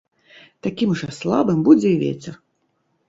Такім жа слабым будзе і вецер.